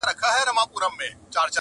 په رباب کي بم او زیر را سره خاندي،